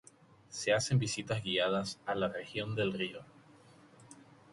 Se hacen visitas guiadas a la región del río.